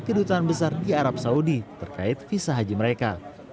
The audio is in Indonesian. kedutaan besar di arab saudi terkait visa haji mereka